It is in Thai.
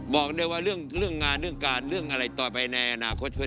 บอกเลยว่าเรื่องงานเรื่องการเรื่องอะไรต่อไปในอนาคตคือ